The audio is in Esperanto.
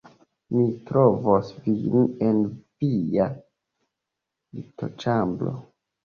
Mi trovos vin en via litoĉambro